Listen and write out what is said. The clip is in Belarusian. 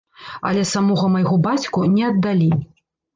Але самога майго бацьку не аддалі.